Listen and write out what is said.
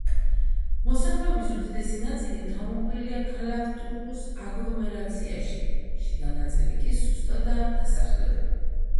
მოსახლეობის უდიდესი ნაწილი თავმოყრილია ქალაქ ტურკუს აგლომერაციაში, შიდა ნაწილი კი სუსტადაა დასახლებული.